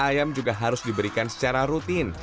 ayam juga harus diberikan secara rutin